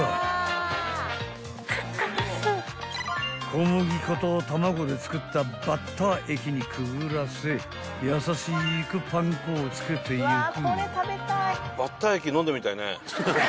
［小麦粉と卵で作ったバッター液にくぐらせ優しくパン粉を付けていく］